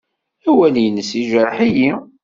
Awal-nnes yejreḥ-iyi.